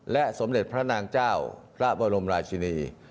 และสมเด็จพระนางเจ้าพระบรมราชินี